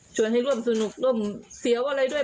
ให้ร่วมสนุกร่วมเสียวอะไรด้วย